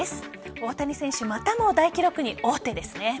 大谷選手またも大記録に王手ですね。